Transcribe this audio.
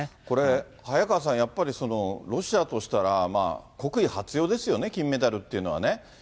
これ、早川さん、やっぱりロシアとしたら、国威発揚ですよね、金メダルっていうのはね。